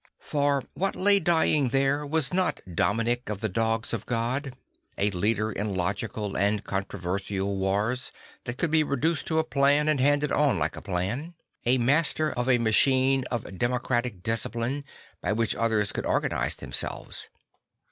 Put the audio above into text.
For what lay dying there was not Dominic of the Dogs of God, a leader in logical and con troversial wars that could be reduced to a plan and handed on like a plan; a master of a machine Miracles and Death 16 9 of democratic discipline by which others could organise themselves.